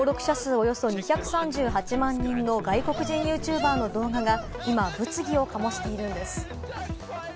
およそ２３８万人の外国人ユーチューバーの動画が今、物議を醸しているんです。